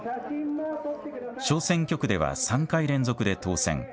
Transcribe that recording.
小選挙区では３回連続で当選。